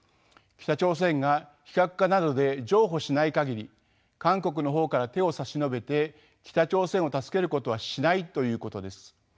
北朝鮮が非核化などで譲歩しない限り韓国の方から手を差し伸べて北朝鮮を助けることはしないということです。